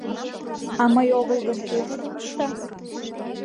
А мый огыл гын, кӧ тидым ышта?